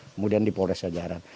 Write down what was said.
kemudian di polda saja